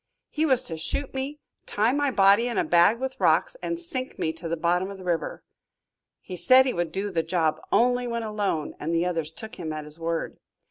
He was to shoot me, tie my body in a bag with rocks, and sink me to the bottom of the river. He said he would do the job only when alone and the others took him at his word.